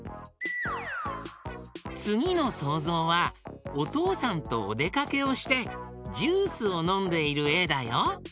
つぎのそうぞうはおとうさんとおでかけをしてジュースをのんでいるえだよ。